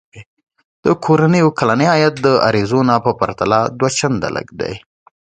د کورنیو کلنی عاید د اریزونا په پرتله دوه چنده لږ دی.